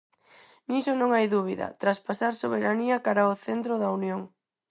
Niso non hai dúbida: traspasar soberanía cara ao centro da Unión.